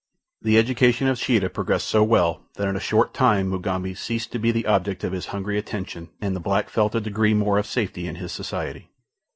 The education of Sheeta progressed so well that in a short time Mugambi ceased to be the object of his hungry attention, and the black felt a degree more of safety in his society.